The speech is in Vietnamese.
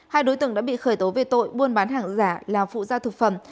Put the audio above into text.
hai đối tượng đã bị khởi tố về tội buôn bán hàng giả là phụ gia thực phẩm